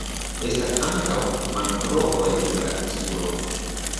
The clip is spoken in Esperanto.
Estas ankaŭ mangrovoj en la insulo.